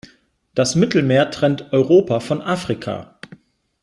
Das Mittelmeer trennt Europa von Afrika.